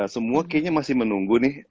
semua kayaknya masih menunggu nih